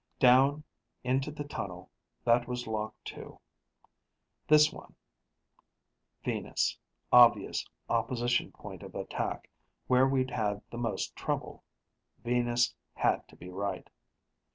Down, into the tunnel that was lock two. This next one ... Venus, obvious opposition point of attack, where we'd had the most trouble: Venus had to be right.